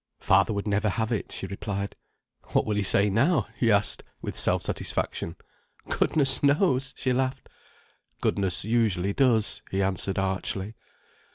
"Father would never have it," she replied. "What will he say now?" he asked, with self satisfaction. "Goodness knows!" she laughed. "Goodness usually does," he answered archly.